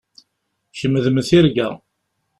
Kemm d mm tirga.